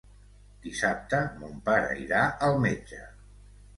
Dissabte mon pare irà al metge.